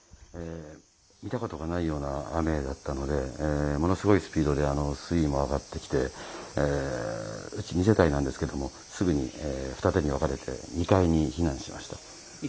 見たことがないような雨だったので、ものすごいスピードで水位も上がってきて、うち、２世帯なんですけど、すぐに二手に分かれて２階に避難しました。